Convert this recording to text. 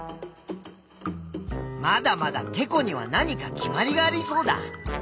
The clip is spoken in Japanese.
まだまだてこには何か決まりがありそうだ。